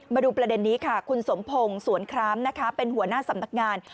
มาดูประเด็นนี้ค่ะคุณสมพงศ์สวนครามนะคะเป็นหัวหน้าสำนักงาน